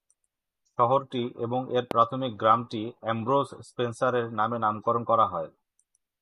শহরটি এবং এর প্রাথমিক গ্রামটি অ্যামব্রোস স্পেন্সারের নামে নামকরণ করা হয়।